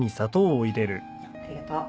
ありがとう。